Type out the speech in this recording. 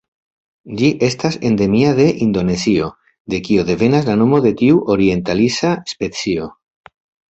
Ĝi estas endemia de Indonezio de kio devenas la nomo de tiu orientalisa specio.